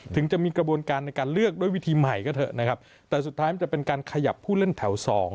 ถึงจะมีกระบวนการในการเลือกด้วยวิธีใหม่ก็เถอะนะครับแต่สุดท้ายมันจะเป็นการขยับผู้เล่นแถว๒